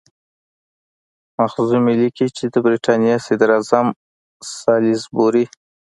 مخزومي لیکي چې د برټانیې صدراعظم سالیزبوري.